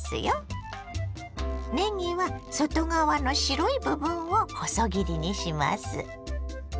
ねぎは外側の白い部分を細切りにします。